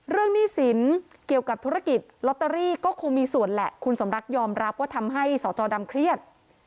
หนี้สินเกี่ยวกับธุรกิจลอตเตอรี่ก็คงมีส่วนแหละคุณสมรักยอมรับว่าทำให้สจดำเครียด